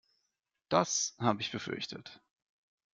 Das habe ich befürchtet.